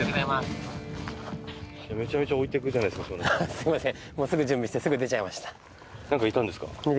すいません